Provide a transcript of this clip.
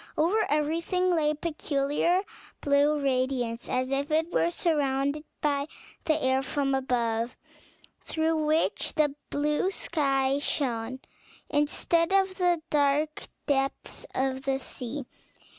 Over everything lay a peculiar blue radiance, as if it were surrounded by the air from above, through which the blue sky shone, instead of the dark depths of the sea.